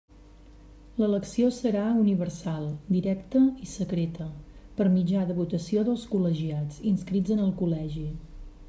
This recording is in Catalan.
L'elecció serà universal, directa i secreta, per mitjà de votació dels col·legiats inscrits en el Col·legi.